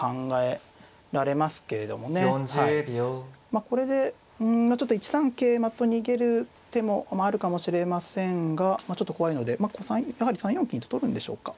まあこれでうんちょっと１三桂馬と逃げる手もあるかもしれませんがちょっと怖いのでやはり３四金と取るんでしょうか。